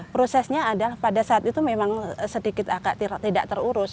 prosesnya pada saat itu memang sedikit tidak terurus